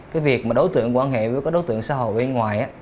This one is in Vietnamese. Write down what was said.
cái việc mà đối tượng quan hệ với các đối tượng xã hội bên ngoài